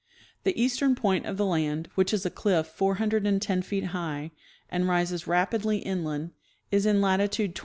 The eastern point of the land, which is a cliff 410 feet high and rises rapidly inland, is in latitude 23°.